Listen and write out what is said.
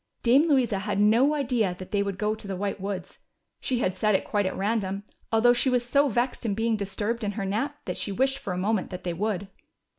Dame Louisa had no idea that they would go to the White Woods. She had said it quite at random, although she was so vexed in being disturbed in her nap that she wished for a moment that they would.